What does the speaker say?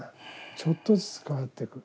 ちょっとずつ変わってく。